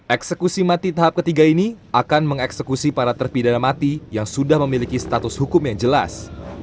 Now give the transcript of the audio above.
eksekusi mati tahap ketiga ini akan mengeksekusi para terpidana mati yang sudah memiliki status hukum yang jelas